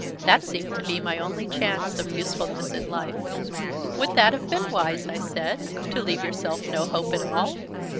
That seemed to be my only chance of usefulness in life." "Would that have been wise?" I said. "To leave yourself no hope at all?"